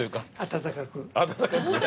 温かく。